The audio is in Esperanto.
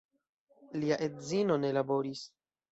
Lia edzino ne laboris.